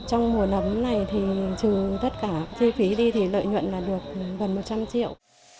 trong mùa nấm này thì trừ tất cả chi phí đi thì lợi nhuận là được gần một trăm linh triệu